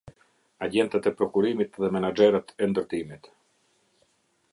Agjentët e prokurimit dhe menaxherët e ndërtimit.